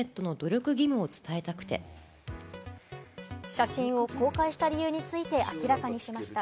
写真を公開した理由について明らかにしました。